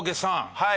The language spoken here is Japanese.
はい。